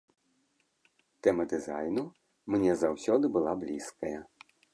Тэма дызайну мне заўсёды была блізкая.